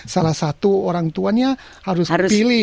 salah satu orang tuanya harus pilih